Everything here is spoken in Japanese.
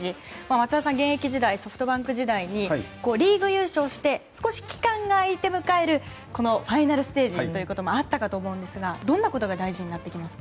松田さんは現役のソフトバンク時代にリーグ優勝して少し期間が開いて迎えるファイナルステージということもあったかと思いますがどんなことが大事になってきますか？